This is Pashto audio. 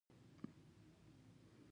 د دولت ځانګړې پالیسي نه وي.